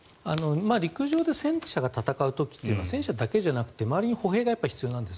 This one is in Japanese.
陸上で戦車が戦う時というのは戦車だけじゃなくて周りに歩兵が必要なんです。